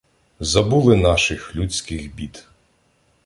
Забули наших людських бід.